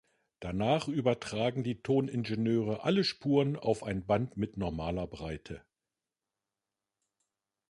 Danach übertragen die Toningenieure alle Spuren auf ein Band mit normaler Breite.